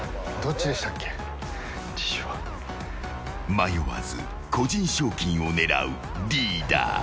迷わず個人賞金を狙うリーダー。